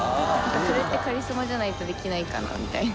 それってカリスマじゃないとできないかなみたいな。